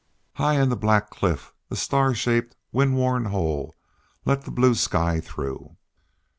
High in the black cliff a star shaped, wind worn hole let the blue sky through.